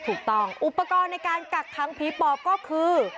ถูกต้องอุปกรณ์ในการกักขังผีปอบก็คือ